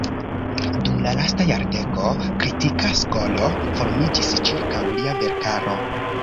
Dum la lasta jardeko kritika skolo formiĝis ĉirkaŭ lia verkaro.